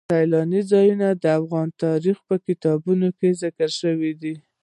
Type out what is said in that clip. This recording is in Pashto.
سیلانی ځایونه د افغان تاریخ په کتابونو کې ذکر شوی دي.